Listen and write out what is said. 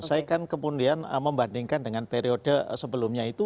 saya kan kemudian membandingkan dengan periode sebelumnya itu